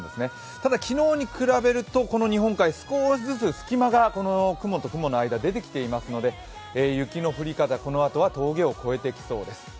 ただ昨日に比べると、この日本海、少しずつ隙間が雲と雲の間、出てきてますので雪の降り方、このあとは峠を越えてきそうです。